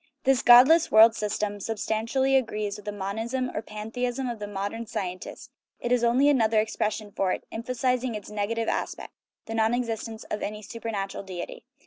This "godless world system " substantially agrees with the monism or pantheism of the modern scientist; it is only another expression for it, empha sizing its negative aspect, the non existence of any su pernatural deity.